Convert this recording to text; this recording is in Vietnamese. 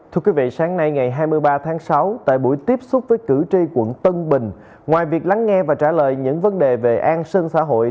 thưa quý vị sáng nay ngày hai mươi ba tháng sáu tại buổi tiếp xúc với cử tri quận tân bình ngoài việc lắng nghe và trả lời những vấn đề về an sinh xã hội